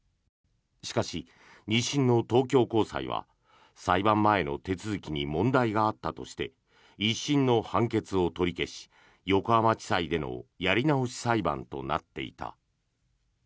しかし、２審の東京高裁は裁判前の手続きに問題があったとして１審の判決を取り消し横浜地裁でのやり直し裁判となっていた。